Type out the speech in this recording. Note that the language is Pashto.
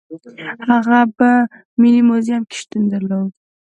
هغه په ملي موزیم کې شتون درلود.